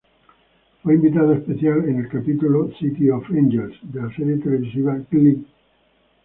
Fue invitado especial en el capítulo "City of Angels" de la serie televisiva "Glee".